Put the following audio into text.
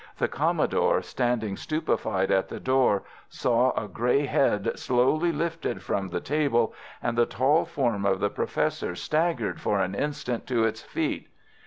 The Commodore, standing stupefied at the door, saw a grey head slowly lifted from the table, and the tall form of the Professor staggered for an instant to its feet.